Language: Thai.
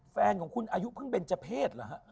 แฟนของคุณอายุเพิ่งเบนเจอร์เพศเหรอฮะ